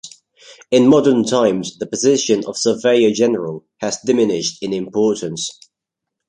In modern times, the position of surveyor general has diminished in importance.